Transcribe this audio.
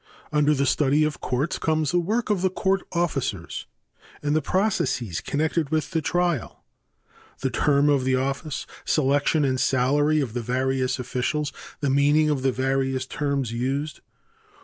Under the study of courts comes the work of the court officers and the processes connected with the trial. The term of the office, selection and salary of the various officials. The meaning of the various terms used.